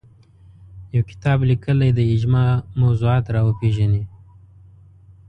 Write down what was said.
یو کتاب لیکلی دی اجماع موضوعات راوپېژني